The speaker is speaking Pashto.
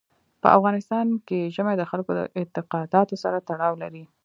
په افغانستان کې ژمی د خلکو د اعتقاداتو سره تړاو لري.